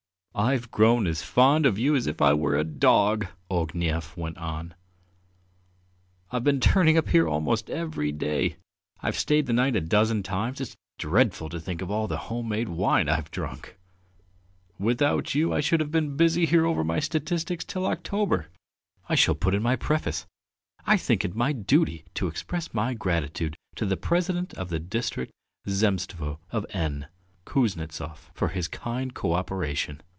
"I've grown as fond of you as if I were your dog," Ognev went on. "I've been turning up here almost every day; I've stayed the night a dozen times. It's dreadful to think of all the home made wine I've drunk. And thank you most of all for your co operation and help. Without you I should have been busy here over my statistics till October. I shall put in my preface: 'I think it my duty to express my gratitude to the President of the District Zemstvo of N , Kuznetsov, for his kind co operation.'